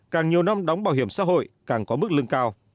càng nhiều năm đóng bảo hiểm xã hội càng có mức lương cao